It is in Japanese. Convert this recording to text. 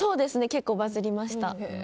結構バズりました。